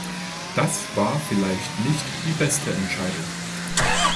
Das war vielleicht nicht die beste Entscheidung.